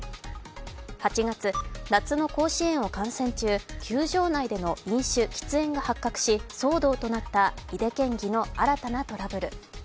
８月、夏の甲子園を観戦中、球場内での飲酒、喫煙が発覚し騒動となった井手県議の新たなトラブル。